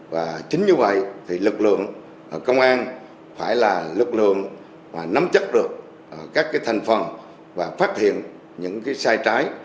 và chính như vậy thì lực lượng công an phải là lực lượng nắm chắc được các thành phần và phát hiện những sai trái